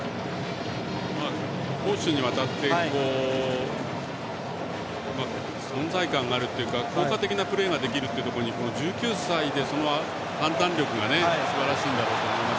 攻守にわたって存在感があるというか、効果的なプレーができるというところに１９歳で、その判断力がすばらしいんだろうと思います。